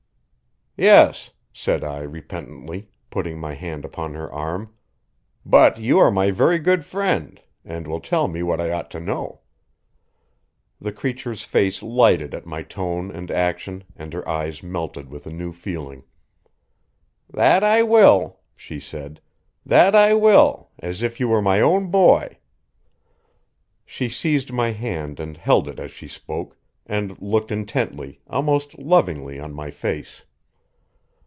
"Yes," said I repentantly, putting my hand upon her arm. "But you are my very good friend, and will tell me what I ought to know." The creature's face lighted at my tone and action, and her eyes melted with a new feeling. "That I will," she said; "that I will, as if you were my own boy." She seized my hand and held it as she spoke, and looked intently, almost lovingly, on my face.